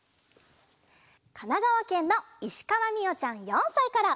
かながわけんのいしかわみおちゃん４さいから。